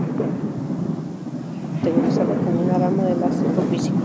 Puede ser próximamente categorizada como una rama de la psicofísica.